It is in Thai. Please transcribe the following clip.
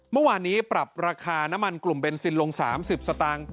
เมื่อวานนี้ปรับราคาน้ำมันกลุ่มเบนซินลง๓๐สตางค์